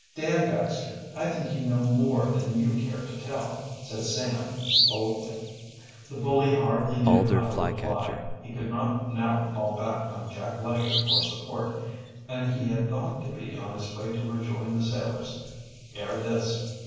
"Dan Baxter, I think you know more than you care to tell," said Sam boldly. The bully hardly knew how to reply. He could not now fall back on Jack Lesher for support, and he had thought to be on his way to rejoin the sailors ere this.